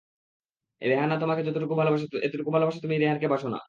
রেহান তোমাকে যতোটুকু ভালোবাসে এতটুকু ভালোবাসা তুমি রেহান কে ভাসো না।